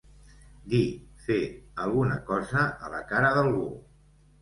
Dir, fer, alguna cosa a la cara d'algú.